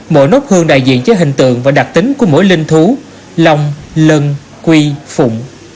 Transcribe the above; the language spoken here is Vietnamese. mỗi nốt hương đại diện cho hình tượng và đặc tính của mỗi linh thú lông lân quy phụ